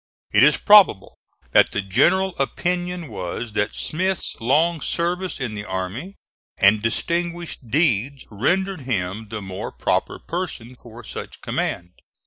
It is probable that the general opinion was that Smith's long services in the army and distinguished deeds rendered him the more proper person for such command.